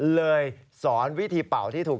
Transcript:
เลยสอนวิธีเป่าที่ถูก